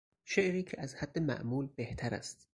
شعری که از حد معمول بهتر است